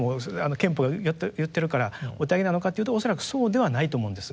憲法言ってるからお手上げなのかっていうと恐らくそうではないと思うんです。